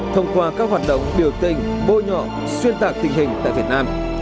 thông qua các hoạt động biểu tình bôi nhọ xuyên tạc tình hình tại việt nam